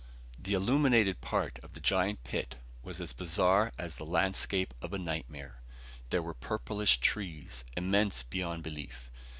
The illuminated part of the giant pit was as bizarre as the landscape of a nightmare. There were purplish trees, immense beyond belief.